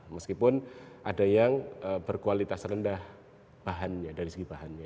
meskipun ada yang berkualitas rendah bahannya dari segi bahannya